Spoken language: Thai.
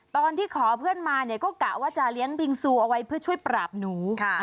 ตอนที่ขอเพื่อนมาก็กะว่าจะเลี้ยงบิงซูเอาไว้เพื่อช่วยปราบหนู